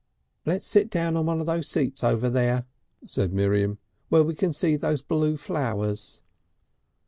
"Let's sit down on one of those seats over there," said Miriam. "Where we can see those blue flowers."